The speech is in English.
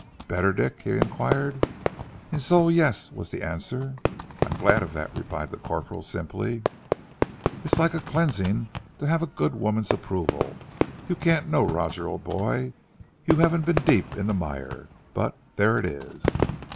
"Better, Dick?" he inquired. "In soul, yes!" was the answer. "I'm glad of that," replied the corporal simply. "It's like a cleansing to have a good woman's approval. You can't know, Roger, old boy. You haven't been deep in the mire but there it is."